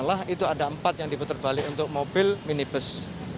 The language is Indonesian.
setelah itu ada empat yang diputar balik untuk mobil minibus